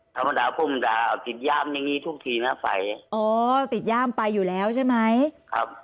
ธรรมดาผมด่าเอาติดย่ามอย่างงี้ทุกทีนะไฟอ๋อติดย่ามไปอยู่แล้วใช่ไหมครับ